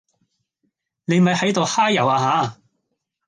你咪喺度揩油呀吓